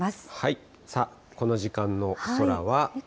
この時間の空は。